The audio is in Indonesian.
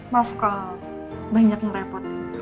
maaf kalau banyak merepot